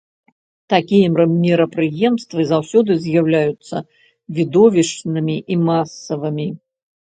Такія мерапрыемствы заўсёды з'яўляюцца відовішчнымі і масавымі.